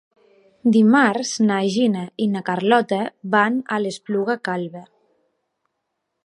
Dimarts na Gina i na Carlota van a l'Espluga Calba.